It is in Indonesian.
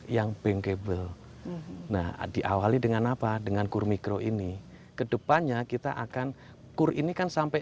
yang bankable nah diawali dengan apa dengan kur mikro ini kedepannya kita akan kur ini kan sampai